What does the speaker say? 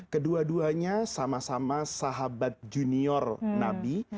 kedua duanya sama sama sahabat junior nabi